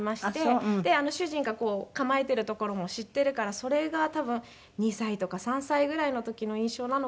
主人が構えているところも知っているからそれが多分２歳とか３歳ぐらいの時の印象なのかな。